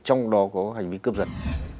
trong đó có hành vi cướp giật